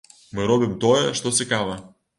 Мы робім тое, што цікава.